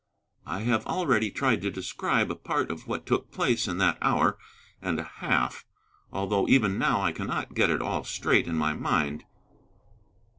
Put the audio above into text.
I have already tried to describe a part of what took place in that hour and a half, although even now I cannot get it all straight in my mind.